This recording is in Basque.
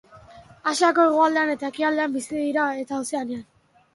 Asiako hegoaldean eta ekialdean bizi dira eta Ozeanian.